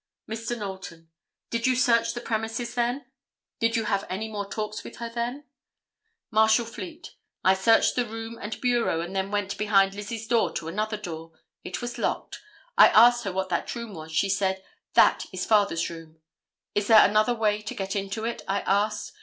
'" Mr. Knowlton—"Did you search the premises then? Did you have any more talk with her then?" [Illustration: CAPTAIN PATRICK CONNORS.] Marshal Fleet—"I searched the room and bureau and then went behind Lizzie's door to another door. It was locked. I asked her what room that was. She said: 'That is father's room.' 'Is there another way to get into it?' I asked.